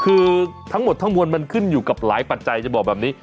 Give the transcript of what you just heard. คือทั้งหมดทั้งมวลมันขึ้นอยู่กับหลายปัจจัยจะบอกแบบนี้